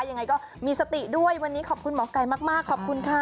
ยังไงก็มีสติด้วยวันนี้ขอบคุณหมอไก่มากขอบคุณค่ะ